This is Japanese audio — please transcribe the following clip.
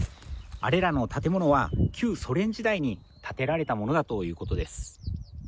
あれらの建物は、旧ソ連時代に建てられたものだということです。